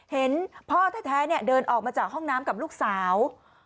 เห็นพ่อแท้เดินออกมาจากห้องน้ำกับลูกสาว